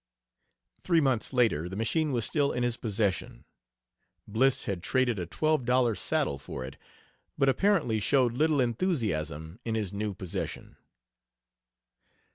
Three months later the machine was still in his possession. Bliss had traded a twelve dollar saddle for it, but apparently showed little enthusiasm in his new possession.